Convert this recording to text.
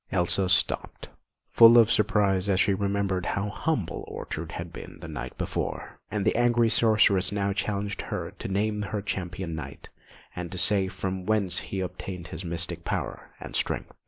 Elsa stopped, full of surprise as she remembered how humble Ortrud had been the night before; and the angry sorceress now challenged her to name her Champion Knight, and to say from whence he obtained his mystic power and strength.